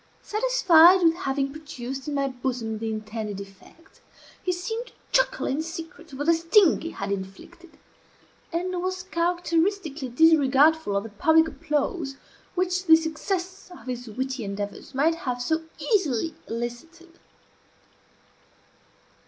Satisfied with having produced in my bosom the intended effect, he seemed to chuckle in secret over the sting he had inflicted, and was uncharacteristically disregardful of the public applause which the success of his witty endeavours might have so easily elicited.